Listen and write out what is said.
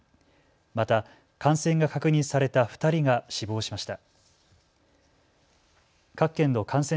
また感染が確認された２人が死亡しました。